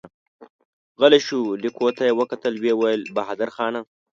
غلی شو، ليکو ته يې وکتل، ويې ويل: بهادرخانه!